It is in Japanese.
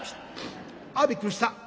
「ああびっくりした。